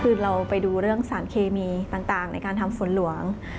คือเราไปดูเรื่องสารเคมีต่างในการทำฝนหลวง